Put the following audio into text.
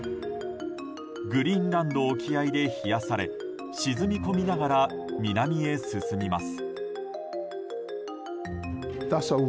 グリーンランド沖合で冷やされ沈み込みながら南へ進みます。